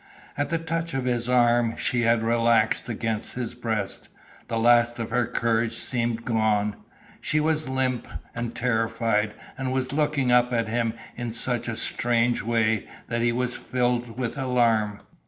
At the touch of his arms she had relaxed against his breast. The last of her courage seemed gone. She was limp, and terrified, and was looking up at him in such a strange way that he was filled with alarm.